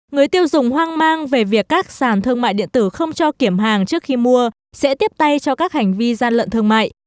người tiêu dùng hoang mang về việc các sàn thương mại điện tử không cho kiểm hàng trước khi mua sẽ tiếp tay cho các hành vi gian lận thương mại